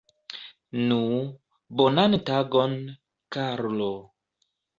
Nu, bonan tagon, Karlo!